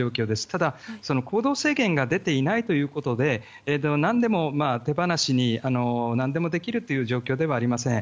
ただ、行動制限が出ていないということで何でも手放しにできるという状況ではありません。